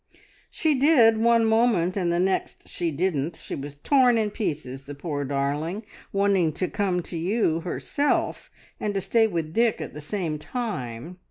"She did one moment, and the next she didn't. She was torn in pieces, the poor darling, wanting to come to you herself, and to stay with Dick at the same time.